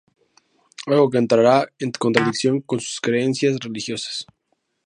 Algo que entrará en contradicción con sus creencias religiosas.